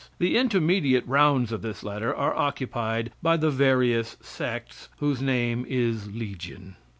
The intermediate rounds of this ladder are occupied by the various sects, whose name is legion.